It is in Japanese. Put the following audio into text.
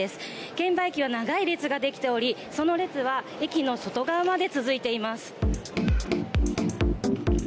券売機は長い列ができておりその列は駅の外側まで続いています。